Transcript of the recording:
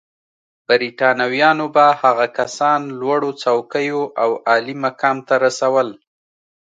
برېټانویانو به هغه کسان لوړو څوکیو او عالي مقام ته رسول.